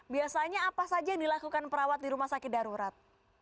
biasanya apa saja yang dilakukan perawat di rumah sakit darurat